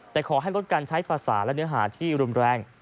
แต่ขอให้ลดการใช้ภาษาและเนื้อหาที่รุนแรง